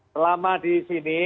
selama di sini